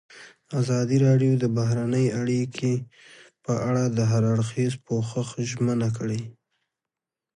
ازادي راډیو د بهرنۍ اړیکې په اړه د هر اړخیز پوښښ ژمنه کړې.